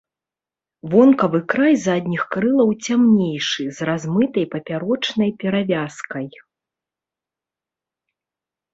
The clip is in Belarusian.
Вонкавы край задніх крылаў цямнейшы, з размытай папярочнай перавязкай.